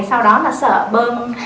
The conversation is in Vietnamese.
sau đó là sợ bơm